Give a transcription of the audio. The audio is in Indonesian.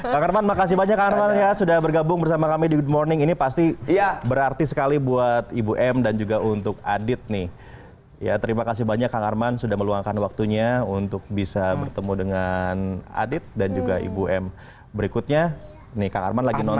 kang arman makasih banyak arman ya sudah bergabung bersama kami di good morning ini pasti berarti sekali buat ibu m dan juga untuk adit nih untuk bisa bertemu dengan adit dan juga ibu m berikutnya nih kang arman lagi nonton